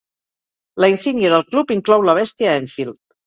La insígnia del club inclou la bèstia Enfield.